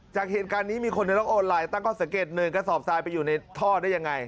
จากเหตุการณ์นี้มีคนในโลกออนไลน์ตั้งข้อสังเกต๑กระสอบทรายไปอยู่ในท่อได้ยังไง